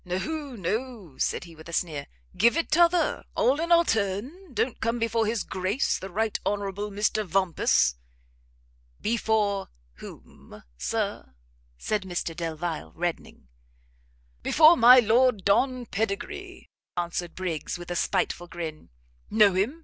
"No, no," said he, with a sneer, "give it t'other; all in our turn; don't come before his Grace the Right Honourable Mr Vampus." "Before whom, Sir?" said Mr Delvile, reddening. "Before my Lord Don Pedigree," answered Briggs, with a spiteful grin, "know him?